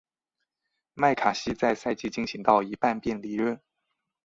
麦卡锡在赛季进行到一半便离任。